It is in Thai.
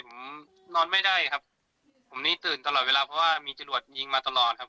ผมนอนไม่ได้ครับผมนี่ตื่นตลอดเวลาเพราะว่ามีจรวดยิงมาตลอดครับ